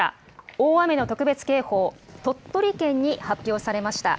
大雨の特別警報、鳥取県に発表されました。